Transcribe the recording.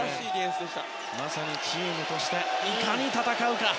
まさにチームとしていかに戦うか。